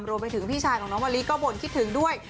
รวมไปถึงพี่ชายของน้องมะลิก็บ่นคิดถึงด้วย